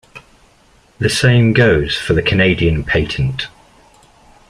The same goes for the Canadian patent.